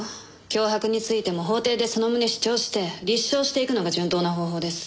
脅迫についても法廷でその旨主張して立証していくのが順当な方法です。